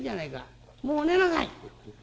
もう寝なさい！』。